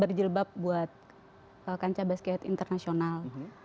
karena itu memang tidak berjilbab buat kancah basket internasional